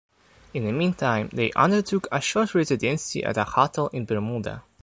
In the meantime, they undertook a short residency at a hotel in Bermuda.